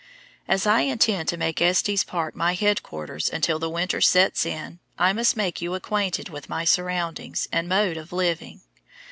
As I intend to make Estes Park my headquarters until the winter sets in, I must make you acquainted with my surroundings and mode of living.